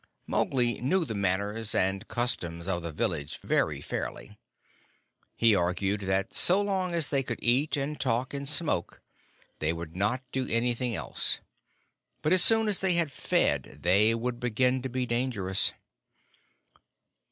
Mowgli knew the manners and customs of the villagers very fairly. He argued that so long as they could eat, and talk, and smoke, they would not do anything else; but as soon as they had fed they would begin to be dangerous.